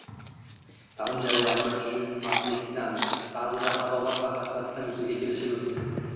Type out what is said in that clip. ta’lim jarayonini tushunmaslikdan, ba’zida adovat va hasaddan yuzaga kelishi mumkin.